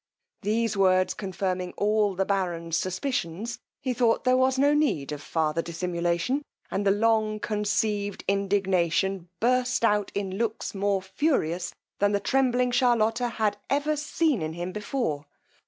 These words confirming all the baron's suspicions, he thought there was no need of farther dissimulation, and the long conceived indignation burst out in looks more furious than the trembling Charlotta had ever seen in him before.